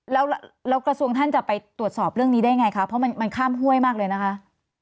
แล้วกระทรวงท่านจะไปตรวจสอบเรื่องนี้ได้ไงคะเพราะมันข้ามห้วยมากเลยนะคะ